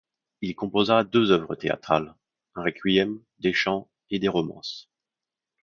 Il composa deux œuvres théâtrales, un requiem, des chants et des romances.